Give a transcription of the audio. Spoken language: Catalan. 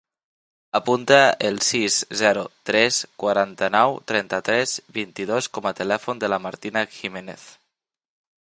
Apunta el sis, zero, tres, quaranta-nou, trenta-tres, vint-i-dos com a telèfon de la Martina Gimenez.